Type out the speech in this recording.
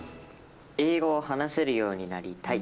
英語を話せるようになりたい！